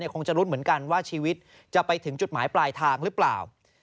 คงจะลุ้นเหมือนกันว่าชีวิตจะไปถึงจุดหมายปลายทางหรือเปล่า